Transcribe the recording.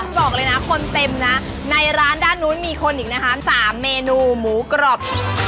บอกเลยนะคนเต็มนะในร้านด้านนู้นมีคนอีกนะคะ๓เมนูหมูกรอบ